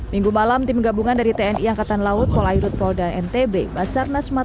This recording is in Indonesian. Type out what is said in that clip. minggu malam tim gabungan dari tni angkatan laut polairut pol dan ntb basar nas matahari